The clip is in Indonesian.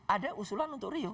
ada usulan untuk rio